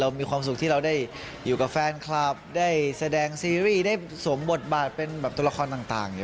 มีความสุขที่เราได้อยู่กับแฟนคลับได้แสดงซีรีส์ได้สวมบทบาทเป็นแบบตัวละครต่าง